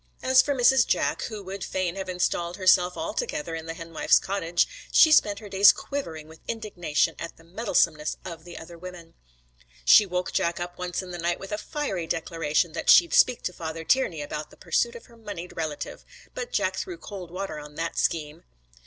As for Mrs. Jack, who would fain have installed herself altogether in the henwife's cottage, she spent her days quivering with indignation at the meddlesomeness of the other women. She woke Jack up once in the night with a fiery declaration that she'd speak to Father Tiernay about the pursuit of her moneyed relative, but Jack threw cold water on that scheme.